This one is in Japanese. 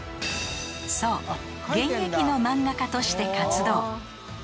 ［そう現役の漫画家として活動］